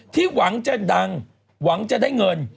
หวังจะดังหวังจะได้เงิน